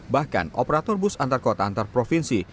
bahkan operator bus antar kota antar provinsi